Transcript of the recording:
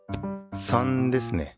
３ですね。